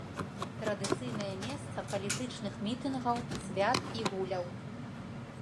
Традыцыйнае месца палітычных мітынгаў, свят і гуляў.